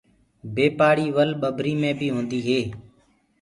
بي پآڙيِ ول ٻڀري مي بي هوندي هي۔